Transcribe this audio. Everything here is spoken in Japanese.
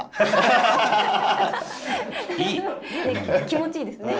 気持ちいいですね。